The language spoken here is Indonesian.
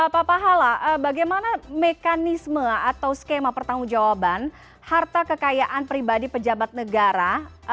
pak pahala bagaimana mekanisme atau skema pertanggung jawaban harta kekayaan pribadi pejabat negara